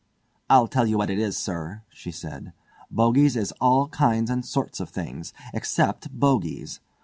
"I'll tell you what it is, sir," she said; "bogies is all kinds and sorts of things—except bogies!